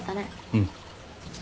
うん。